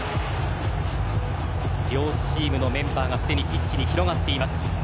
両チームのメンバーがすでにピッチに広がっています。